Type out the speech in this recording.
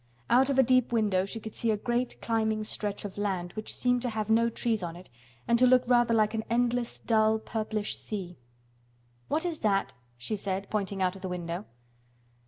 Out of a deep window she could see a great climbing stretch of land which seemed to have no trees on it, and to look rather like an endless, dull, purplish sea. "What is that?" she said, pointing out of the window.